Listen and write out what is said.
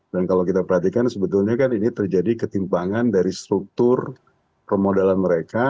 dan kalau kita perhatikan sebetulnya kan ini terjadi ketimbangan dari struktur pemodalan mereka